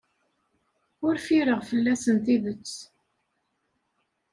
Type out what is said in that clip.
Ur ffireɣ fell-asen tidet.